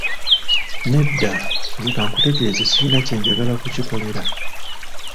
Nedda, nze ka nkutegeeze sirina kye njagala kukikolera.